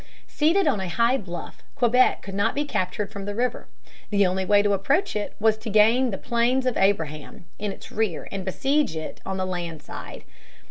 Seated on a high bluff, Quebec could not be captured from the river. The only way to approach it was to gain the Plains of Abraham in its rear and besiege it on the land side.